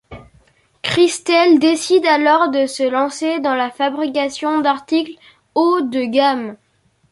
Cristel décide alors de se lancer dans la fabrication d'articles haut de gamme.